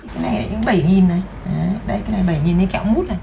cái này là những bảy nghìn này đấy cái này bảy nghìn cái kẹo mút này